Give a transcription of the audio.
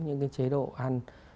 những cái chế độ ăn